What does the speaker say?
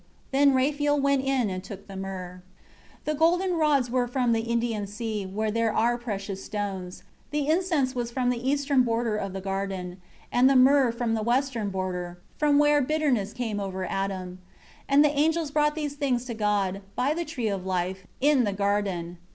Then Raphael went in and took the myrrh. 6 The golden rods were from the Indian sea, where there are precious stones. The incense was from the eastern border of the garden; and the myrrh from the western border, from where bitterness came over Adam. 7 And the angels brought these things to God, by the Tree of Life, in the garden.